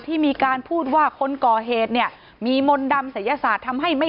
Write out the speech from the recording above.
ที่มีการพูดว่าคนก่อเหตุเนี่ยมีมนต์ดำศัยศาสตร์ทำให้ไม่